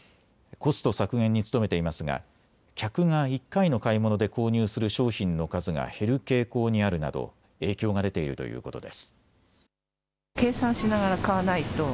コスト削減に努めていますが客が１回の買い物で購入する商品の数が減る傾向にあるなど影響が出ているということです。